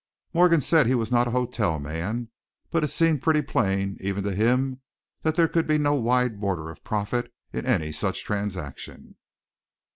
Morgan said he was not a hotel man, but it seemed pretty plain even to him that there could be no wide border of profit in any such transaction.